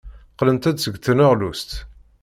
Qqlent-d seg tneɣlust.